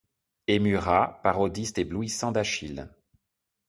Et Murat, parodiste éblouissant d'Achille.